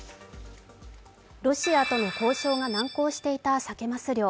ロシアとの交渉が難航していたさけ・ます漁。